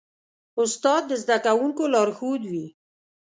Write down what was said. استاد د زدهکوونکو لارښود وي.